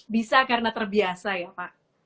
bisa karena terbiasa ya pak